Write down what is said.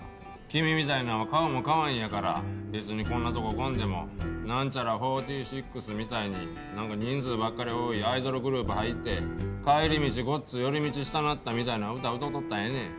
君みたいなんは顔もかわいいんやから別にこんなとこ来んでもなんちゃら４６みたいになんか人数ばっかり多いアイドルグループ入って帰り道ごっつ寄り道したなったみたいな歌歌うとったらええねん。